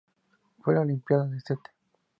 Para la Olimpiada de St.